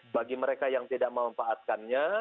bagi mereka yang tidak memanfaatkannya